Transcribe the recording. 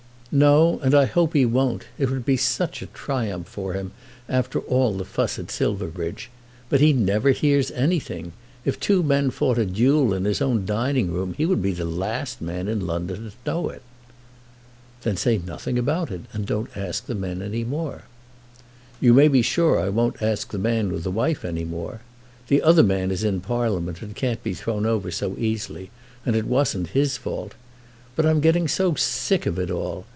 "No; and I hope he won't. It would be such a triumph for him, after all the fuss at Silverbridge. But he never hears of anything. If two men fought a duel in his own dining room he would be the last man in London to know it." "Then say nothing about it, and don't ask the men any more." "You may be sure I won't ask the man with the wife any more. The other man is in Parliament and can't be thrown over so easily and it wasn't his fault. But I'm getting so sick of it all!